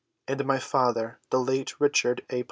and my father, the late Richard A.